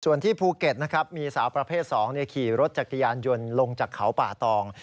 ส่วนที่ภูเก็ตนะครับมีสาวประเภท๒ขี่รถจักรยานยนต์ลงจากเขาป่าตอง